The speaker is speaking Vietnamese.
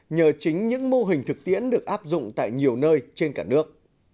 nhờ chính những mô hình thực tiễn được áp dụng tại nhiều nơi trên cả nước